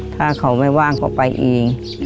ถ้าเขาไม่ว่างก็ไปเอง